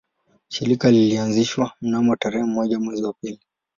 Shirika lilianzishwa mnamo tarehe moja mwezi wa pili